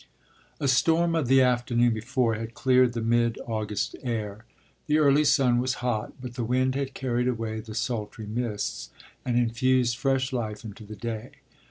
I A storm of the afternoon before had cleared the mid August air. The early sun was hot, but the wind had carried away the sultry mists, and infused fresh life into the day.